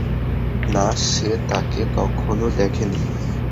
না, সে তাকে কখনো দেখেনি।